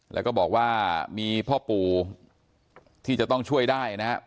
แล้วก็บอกว่ามีพ่อปู่ที่จะต้องช่วยได้นะครับ